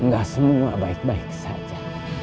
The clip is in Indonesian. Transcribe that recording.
gak semua baik baik saja